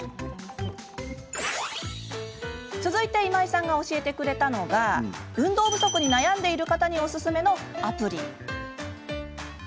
続いて今井さんが教えてくれたのが運動不足に悩んでいる方におすすめのアプリ。